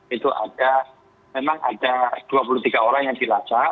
itu ada memang ada dua puluh tiga orang yang dilacak